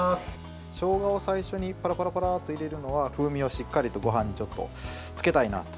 しょうがを最初にパラパラパラっと入れるのは風味をしっかりとごはんにつけたいなと。